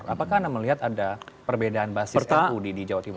apakah anda melihat ada perbedaan basis nu di jawa timur